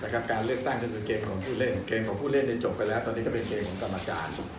การเลือกตั้งก็คือเกมของผู้เล่นเกมของผู้เล่นจบไปแล้วตอนนี้ก็เป็นเกมของกรรมการ